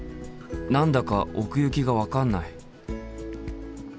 何だか奥行きが分かんない。